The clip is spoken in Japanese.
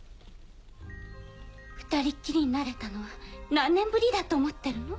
２人っきりになれたのは何年ぶりだと思ってるの？